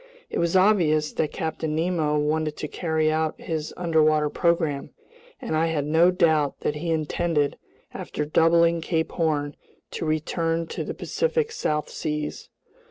It was obvious that Captain Nemo wanted to carry out his underwater program, and I had no doubt that he intended, after doubling Cape Horn, to return to the Pacific South Seas.